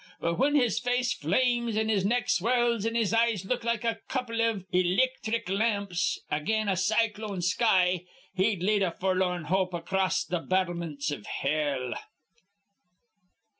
But, whin his face flames an' his neck swells an' his eyes look like a couple iv ilicthric lamps again a cyclone sky, he'd lead a forlorn hope acrost th' battlemints iv hell."